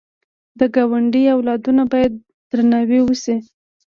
د ګاونډي اولادونه باید درناوی وشي